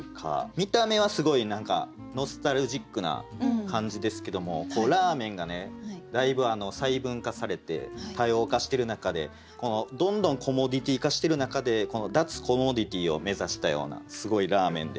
見た目はすごい何かノスタルジックな感じですけどもラーメンがねだいぶ細分化されて多様化してる中でどんどんコモディティ化してる中で脱コモディティを目指したようなすごいラーメンで。